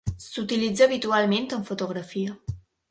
S'utilitza habitualment en fotografia.